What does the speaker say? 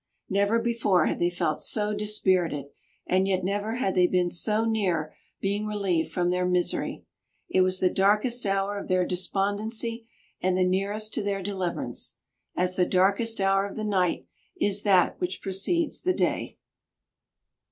Never before had they felt so dispirited, and yet never had they been so near being relieved from their misery. It was the darkest hour of their despondency, and the nearest to their deliverance; as the darkest hour of the night is that which precedes the day.